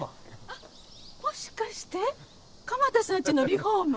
あっもしかして鎌田さんちのリフォーム？